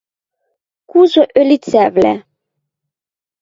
Кужы ӧлицӓвлӓ.